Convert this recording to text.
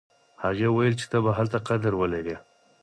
هغې ویل چې ته به هلته قدر ولرې